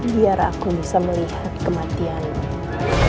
biar aku bisa melihat kematianmu